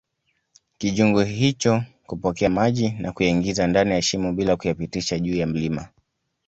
kijungu hicho kupokea maji na kuyaingiza ndani ya shimo bila kuyapitisha juu ya mlima